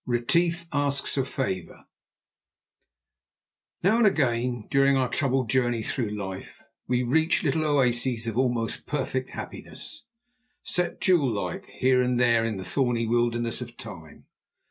RETIEF ASKS A FAVOUR Now and again during our troubled journey through life we reach little oases of almost perfect happiness, set jewel like here and there in the thorny wilderness of time.